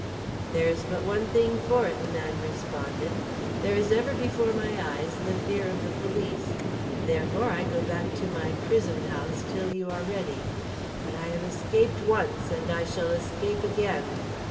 "There is but one thing for it," the man responded. "There is ever before my eyes the fear of the police. Therefore I go back to my prison house till you are ready. But I have escaped once, and I shall escape again.